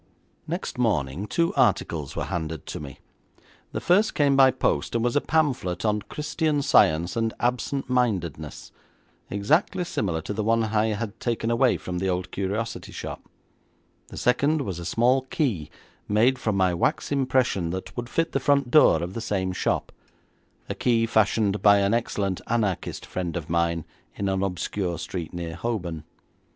Next morning two articles were handed to me. The first came by post and was a pamphlet on Christian Science and Absent Mindedness, exactly similar to the one I had taken away from the old curiosity shop; the second was a small key made from my wax impression that would fit the front door of the same shop a key fashioned by an excellent anarchist friend of mine in an obscure street near Holborn.